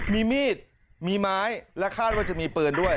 มีมีดมีไม้และคาดว่าจะมีปืนด้วย